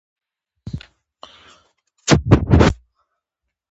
فرګوسن په سلګیو کي وویل: زما يې په څه، زه څه کوم.